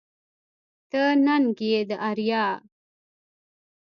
ته ننگ يې د اريا